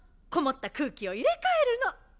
籠もった空気を入れ替えるの。